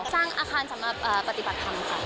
สร้างอาคารสำหรับปฏิบัติธรรมค่ะ